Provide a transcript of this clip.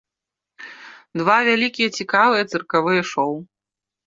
Два вялікія цікавыя цыркавыя шоу.